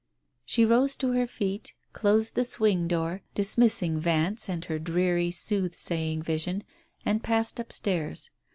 She rose to her feet, closed the swing door, dismissing Vance and her dreary soothsaying vision, and passed upstairs.